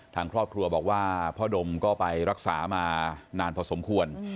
ทางครอบครัวบอกว่าพ่อดมก็ไปรักษามานานพอสมควร